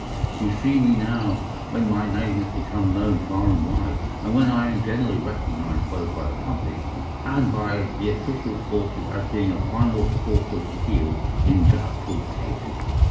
You see me now when my name has become known far and wide, and when I am generally recognised both by the public and by the official force as being a final court of appeal in doubtful cases.